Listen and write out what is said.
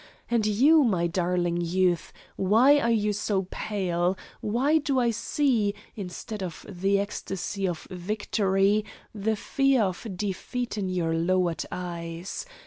And you, my daring youth, why are you so pale? Why do I see, instead of the ecstasy of victory, the fear of defeat in your lowered eyes?